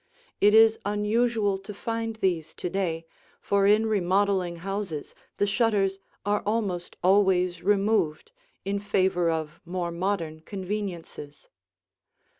It is unusual to find these to day, for in remodeling houses the shutters are almost always removed in favor of more modern conveniences.